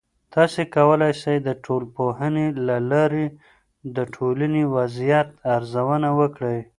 تاسې کولای سئ د ټولنپوهنې له لارې د ټولنې وضعیت ارزونه وکړئ.